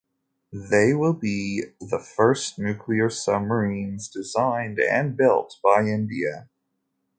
They will be the first nuclear submarines designed and built by India.